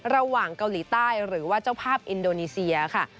ระหว่างเกาหลีใต้หรือว่าเจ้าภาพอินโดนีเซียค่ะ